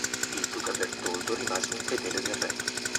Il duca Bertoldo rimase un fedele del re.